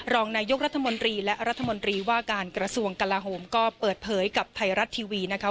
รองนายกรัฐมนตรีและรัฐมนตรีว่าการกระทรวงกลาโหมก็เปิดเผยกับไทยรัฐทีวีนะคะ